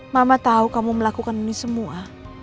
mama tahu kamu melakukan ini semua